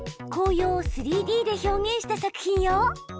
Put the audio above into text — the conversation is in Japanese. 紅葉を３Ｄで表現した作品よ！